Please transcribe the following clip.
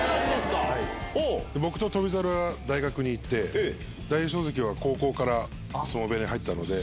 僕と翔猿は大学に行って大栄翔関は高校から相撲部屋に入ったので。